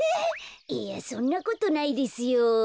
いやそんなことないですよ。